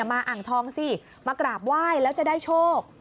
อ่างทองสิมากราบไหว้แล้วจะได้โชค